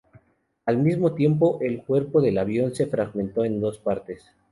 Al mismo tiempo el cuerpo del avión se fragmentó en dos partes.